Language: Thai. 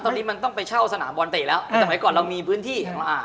ตอนนี้ต้องไปเช่าสนามบอลเตะแล้วแต่ไหนก่อนเรามีพื้นที่